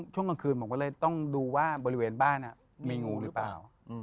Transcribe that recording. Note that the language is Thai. ช่วงกลางคืนผมก็เลยต้องดูว่าบริเวณบ้านมีงูหรือเปล่า